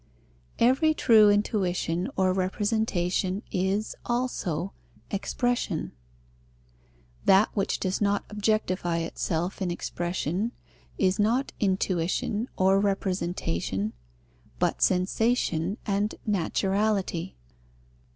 Every true intuition or representation is, also, expression. That which does not objectify itself in expression is not intuition or representation, but sensation and naturality.